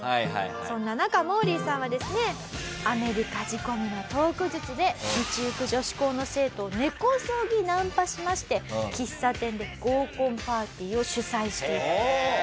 そんな中モーリーさんはですねアメリカ仕込みのトーク術で道行く女子校の生徒を根こそぎナンパしまして喫茶店で合コンパーティーを主催していた。